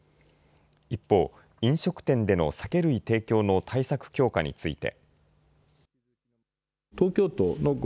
一方、飲食店での酒類提供の対策強化について。